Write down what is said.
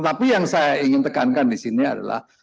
tapi yang saya ingin tekankan disini adalah